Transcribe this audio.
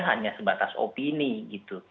hanya sebatas opini gitu